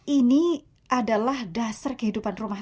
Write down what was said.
ini adalah dasar kehidupan rumah